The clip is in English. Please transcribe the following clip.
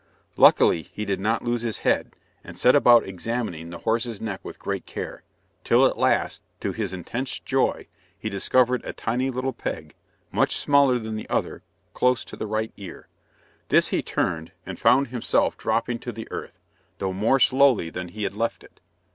Luckily, he did not lose his head, and set about examining the horse's neck with great care, till at last, to his intense joy, he discovered a tiny little peg, much smaller than the other, close to the right ear. This he turned, and found him self dropping to the earth, though more slowly than he had left it.